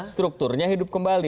strukturnya hidup kembali